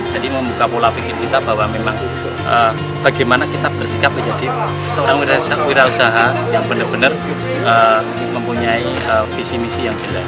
jadi membuka pola pikir kita bahwa memang bagaimana kita bersikap menjadi seorang wirausaha yang benar benar mempunyai visi misi